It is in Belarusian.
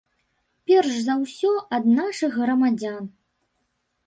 Перш за ўсё, ад нашых грамадзян.